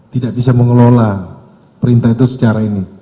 tidak bisa mengelola perintah itu secara ini